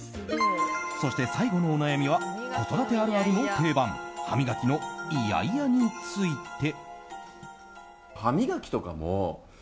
そして最後のお悩みは子育てあるあるの定番歯磨きのイヤイヤについて。